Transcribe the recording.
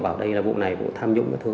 bảo đây là vụ này vụ tham nhũng cái thứ